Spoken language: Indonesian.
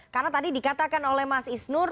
karena tadi dikatakan oleh mas isnur